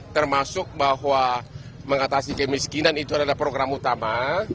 termasuk bahwa mengatasi kemiskinan itu adalah program utama